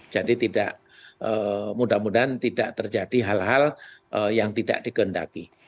jadi tidak mudah mudahan tidak terjadi hal hal yang tidak digendaki